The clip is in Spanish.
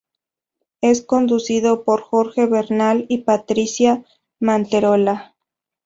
Es conducido por Jorge Bernal y Patricia Manterola.